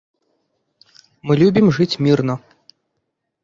Мы любім жыць мірна.